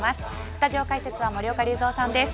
スタジオ解説は森岡隆三さんです。